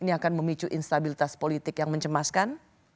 ini akan memicu instabilitas politik yang mencemaskan